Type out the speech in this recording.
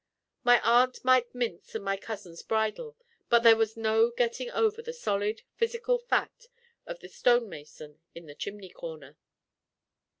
My aunt might mince and my cousins bridle; but there was no getting over the solid, physical fact of the stonemason in the chimney corner.